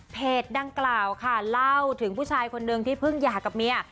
ดังกล่าวค่ะเล่าถึงผู้ชายคนนึงที่เพิ่งหย่ากับเมีย